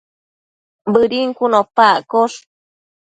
Bëdin cun opa accosh